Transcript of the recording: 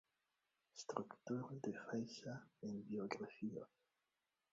Strukturo de falsa membiografio.